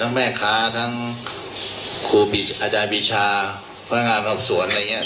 ทั้งแม่คะทั้งครูอาจารย์พิชาพนักงานครับสวนอะไรอย่างเงี้ย